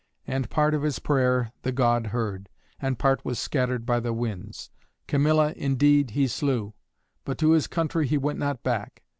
And part of his prayer the god heard, and part was scattered by the winds. Camilla, indeed, he slew, but to his country he went not back.